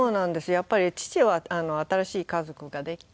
やっぱり父は新しい家族ができて。